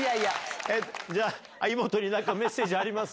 じゃあイモトにメッセージあります？